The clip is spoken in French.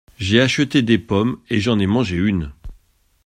J’ai acheté des pommes et j’en ai mangé une.